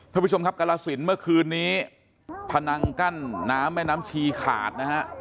ท่านผู้ชมครับกรสินเมื่อคืนนี้พนังกั้นน้ำแม่น้ำชีขาดนะฮะ